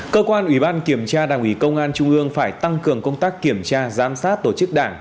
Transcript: cơ quan ủy ban kiểm tra đảng ủy công an trung ương phải tăng cường công tác kiểm tra giám sát tổ chức đảng